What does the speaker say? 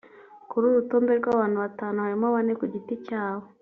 Kuri uru rutonde rw’abantu batanu harimo bane ku giti cyabo